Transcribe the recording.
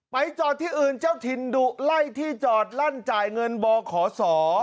จอดที่อื่นเจ้าถิ่นดุไล่ที่จอดลั่นจ่ายเงินบขศ